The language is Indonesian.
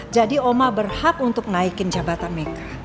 jadi oma berhak untuk naikin jabatan mereka